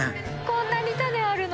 こんなに種あるの？